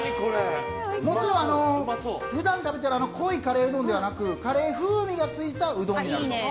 もちろん、普段食べている濃いカレーうどんではなくカレー風味がついたうどんになると。